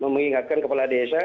mengingatkan kepala desa